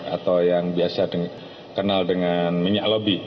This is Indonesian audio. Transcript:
atau yang biasa kenal dengan minyak lobby